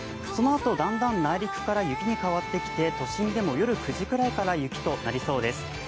そのあとだんだん内陸から雪に変わってきて、都心でも夜９時くらいから雪となりそうです。